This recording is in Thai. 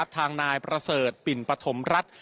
ทางนายประเสริฐปิ่นปฐมรัฐ